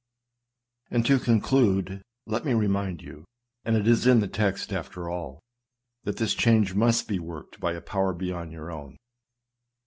And to conclude, let me remind you — and it is in the text after all — that this change must be worked by a power beyond your own.